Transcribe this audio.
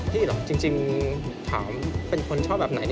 เหรอจริงถามเป็นคนชอบแบบไหน